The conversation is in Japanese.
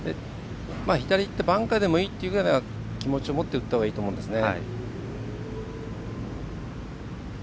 左いってバンカーでもいいというくらいの気持ちで打ったほうがいいと思うんですね。